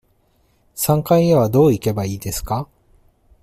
三階へはどう行けばいいですか。